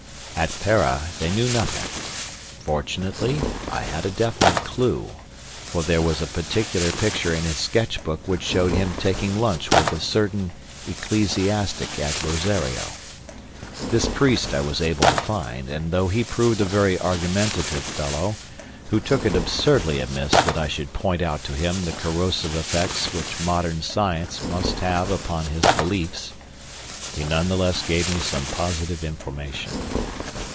At Para they knew nothing. Fortunately, I had a definite clew, for there was a particular picture in his sketch book which showed him taking lunch with a certain ecclesiastic at Rosario. This priest I was able to find, and though he proved a very argumentative fellow, who took it absurdly amiss that I should point out to him the corrosive effect which modern science must have upon his beliefs, he none the less gave me some positive information.